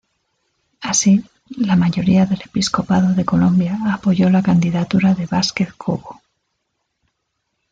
Así, la mayoría del episcopado de Colombia apoyó la candidatura de Vásquez Cobo.